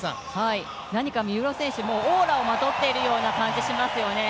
何か三浦選手オーラをまとっている感じがしますよね。